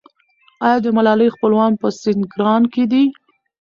آیا د ملالۍ خپلوان په سینګران کې دي؟